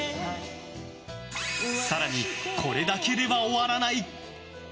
更に、これだけでは終わらない！